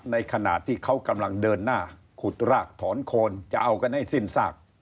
ในขณะที่เขากำลังเดินหน้าขุดรากถอนโคนจะเอากันให้สิ้นซาก